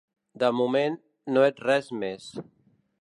De moment, no ets res més.